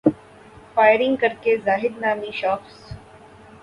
firing کر کے زاہد نامی شخص